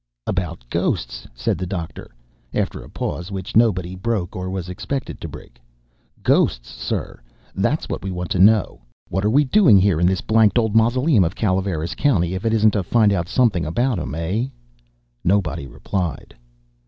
"About ghosts!" said the Doctor, after a pause, which nobody broke or was expected to break. "Ghosts, sir! That's what we want to know. What are we doing here in this blanked old mausoleum of Calaveras County, if it isn't to find out something about 'em, eh?" Nobody replied.